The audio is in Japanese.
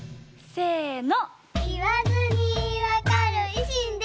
せの！